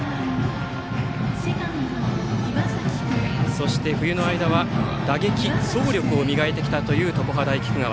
そして、冬の間は打撃、走力を磨いてきたという常葉大菊川。